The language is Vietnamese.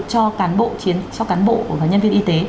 cho cán bộ và nhân viên y tế